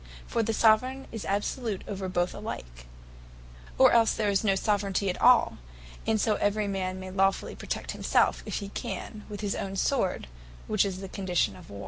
For the Soveraign is absolute over both alike; or else there is no Soveraignty at all; and so every man may Lawfully protect himselfe, if he can, with his own sword, which is the condition of war.